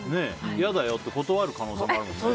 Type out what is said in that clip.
嫌だよって断る可能性もあるよね。